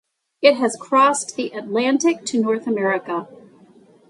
It has crossed the Atlantic to North America.